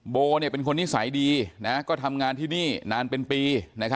โบเป็นคนนิสัยดีก็ทำงานที่นี่นานเป็นปี